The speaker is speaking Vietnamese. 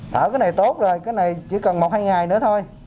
ở cái này tốt rồi cái này chỉ cần một hai ngày nữa thôi